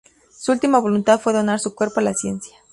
Su última voluntad fue donar su cuerpo a la ciencia.